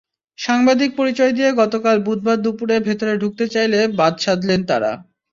সাংবাদিক পরিচয় দিয়ে গতকাল বুধবার দুপুরে ভেতরে ঢুকতে চাইলে বাদ সাধলেন তাঁরা।